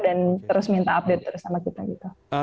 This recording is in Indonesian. dan terus minta update terus sama kita